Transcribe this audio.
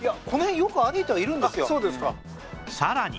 さらに